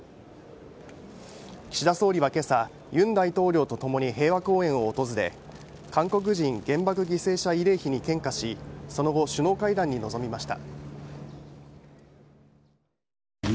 岸田総理はけさ尹大統領とともに平和公園を訪れ韓国人原爆犠牲者慰霊碑に献花しその後、首脳会談に臨みました。